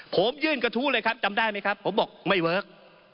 ผมยื่นกระทู้เลยครับจำได้ไหมครับผมบอกไม่เวิร์ค